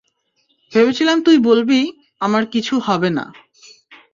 ভেবেছিলাম তুই বলবি, আমার কিছু হবে না।